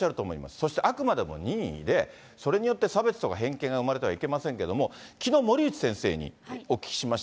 そしてあくまでも任意で、それによって差別とか偏見が生まれてはいけませんけれども、きのう、森内先生にお聞きました。